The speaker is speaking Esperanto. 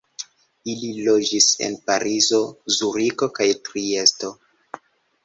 Ili loĝis en Parizo, Zuriko kaj Triesto.